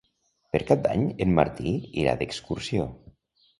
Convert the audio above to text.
Per Cap d'Any en Martí irà d'excursió.